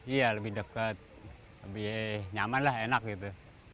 iya lebih dekat lebih nyaman lah enak gitu